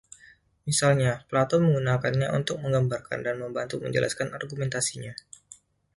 Misalnya, Plato menggunakannya untuk menggambarkan dan membantu menjelaskan argumentasinya.